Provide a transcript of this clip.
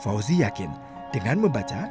fauzi yakin dengan membaca